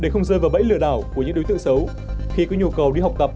để không rơi vào bẫy lừa đảo của những đối tượng xấu khi có nhu cầu đi học tập